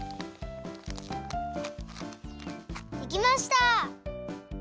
できました！